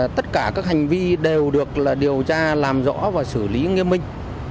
tất cả các hành vi đều được điều tra làm rõ và xử lý nghiêm minh